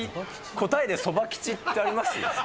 答えでソバキチってあります？